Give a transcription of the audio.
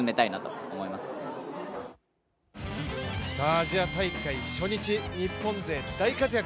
アジア大会初日、日本勢、大活躍。